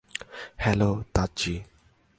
Hello, তাদজি।